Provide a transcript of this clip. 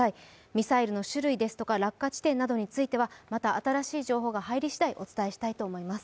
ミサイルの種類ですとか、落下地点についてはまた新しい情報が入りしだいお伝えしたいと思います。